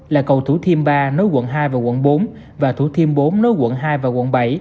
là cầu thủ thiêm ba nối quận hai và quận bốn và thủ thiêm bốn nối quận hai và quận bảy